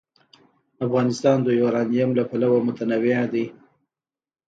افغانستان د یورانیم له پلوه متنوع دی.